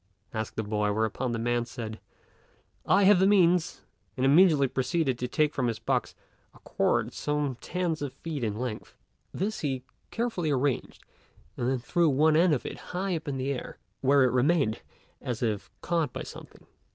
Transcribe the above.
asked the boy; whereupon the man said, "I have the means," and immediately proceeded to take from his box a cord some tens of feet in length. This he carefully arranged, and then threw one end of it high up into the air where it remained as if caught by something.